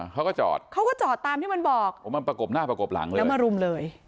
เขาก็จอดเขาก็จอดตามที่มันบอกโอ้มันประกบหน้าประกบหลังเลยแล้วมารุมเลย